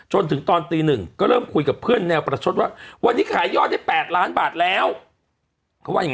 หน้าประชุดว่าวันนี้ขายยอดได้๘ล้านบาทแล้วเขาว่าอย่าง